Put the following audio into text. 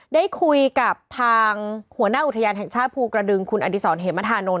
ได้คุยกับทางหัวหน้าอุทยานแห่งชาติภูกระดึงคุณอดีศรเหมธานนท